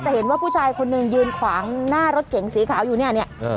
แต่เห็นว่าผู้ชายคนหนึ่งยืนขวางหน้ารถเก๋งสีขาวอยู่เนี่ยเนี่ย